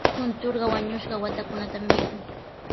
Kunturqa wañushqa waatakunatami mikun.